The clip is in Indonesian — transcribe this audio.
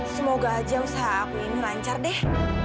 semoga aja usaha aku ini lancar deh